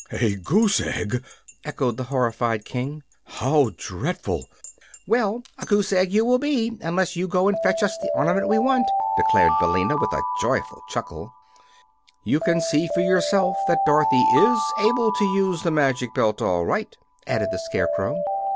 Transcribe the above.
"A goose egg!" echoed the horrified King. "How dreadful!" "Well, a goose egg you will be unless you go and fetch us the ornament we want," declared Billina, with a joyful chuckle. "You can see for yourself that Dorothy is able to use the magic belt all right," added the Scarecrow.